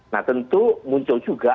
nah tentu muncul juga